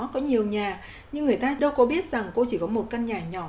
có nhiều nhà nhưng người ta đâu có biết rằng cô chỉ có một căn nhà nhỏ